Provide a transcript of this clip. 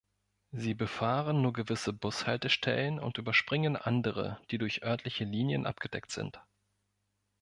Sie befahren nur gewisse Bushaltestellen und überspringen andere, die durch örtliche Linien abgedeckt sind.